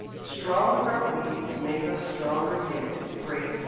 Strong are we? Make us stronger yet; Great?